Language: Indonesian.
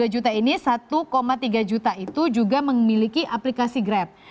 satu tiga juta itu juga memiliki aplikasi grab